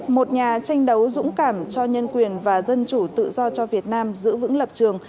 một nhà tranh đấu dũng cảm cho nhân quyền và dân chủ tự do cho việt nam giữ vững lập trường